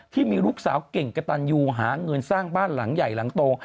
ที่มีลูกสาวเก่งกระตันยูหาเงินสร้างบ้านหลังใหญ่หลังโต